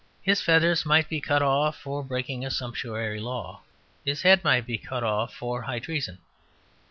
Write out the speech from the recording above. His feathers might be cut off for breaking a sumptuary law. His head might be cut off for high treason.